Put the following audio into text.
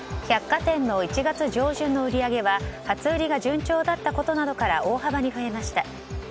百貨店の１月上旬の売り上げは初売りが順調だったことなどから大幅に増えました。